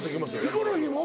ヒコロヒーも？